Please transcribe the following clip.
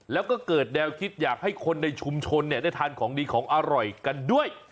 แล้วก็เกิดแนวคิดอยากให้คนในชุมชนได้ทานของดีของอร่อยกันด้วย